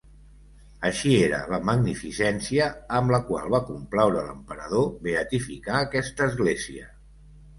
Així era la magnificència amb la qual va complaure l'emperador beatificar aquesta església.